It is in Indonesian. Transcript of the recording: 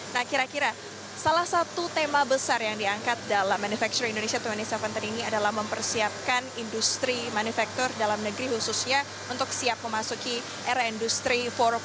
nah kira kira salah satu tema besar yang diangkat dalam manufacture indonesia dua ribu tujuh belas ini adalah mempersiapkan industri manufaktur dalam negeri khususnya untuk siap memasuki era industri empat